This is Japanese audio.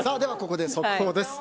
ここで速報です。